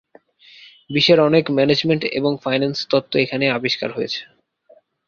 বিশ্বের অনেক ম্যানেজমেন্ট এবং ফাইন্যান্স তত্ত্ব এখানেই আবিষ্কার হয়েছে।